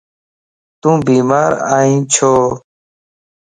تون بيمار ائين ڇو؟